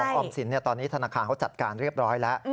ออมสินตอนนี้ธนาคารเขาจัดการเรียบร้อยแล้ว